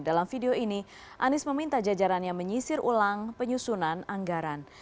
dalam video ini anies meminta jajarannya menyisir ulang penyusunan anggaran